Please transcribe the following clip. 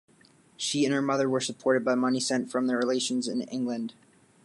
She and her mother were supported by money sent from their relations in England.